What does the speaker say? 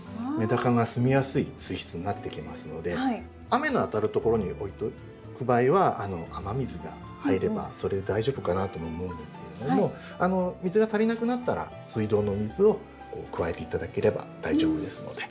雨の当たるところに置いておく場合は雨水が入ればそれで大丈夫かなとも思うんですけれども水が足りなくなったら水道の水を加えて頂ければ大丈夫ですので。